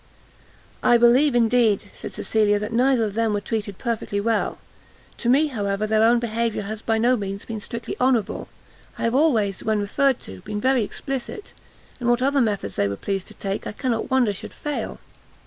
"I believe, indeed," said Cecilia, "that neither of them were treated perfectly well; to me, however, their own behaviour has by no means been strictly honourable. I have always, when referred to, been very explicit; and what other methods they were pleased to take, I cannot wonder should fail."